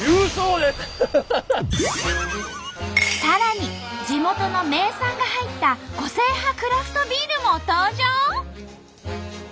さらに地元の名産が入った個性派クラフトビールも登場！